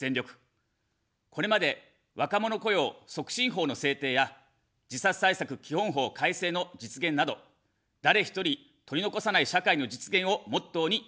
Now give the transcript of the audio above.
これまで若者雇用促進法の制定や自殺対策基本法改正の実現など、誰一人取り残さない社会の実現をモットーに働いてまいりました。